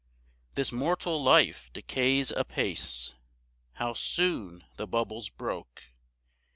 5 [This mortal life decays apace, How soon the bubble's broke!